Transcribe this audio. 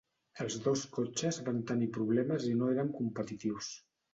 Els dos cotxes van tenir problemes i no eren competitius.